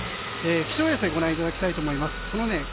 気象衛星をご覧いただきたいと思います。